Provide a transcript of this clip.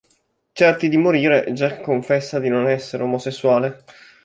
Certi di morire, Jack confessa di non essere omosessuale.